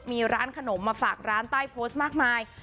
มีร้านขนมมาฝากร้านใต้โพสต์มากมาย